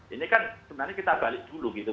ini kan sebenarnya kita balik dulu gitu